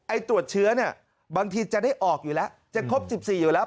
ตรวจเชื้อเนี่ยบางทีจะได้ออกอยู่แล้วจะครบ๑๔อยู่แล้ว